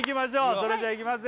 それじゃいきますよ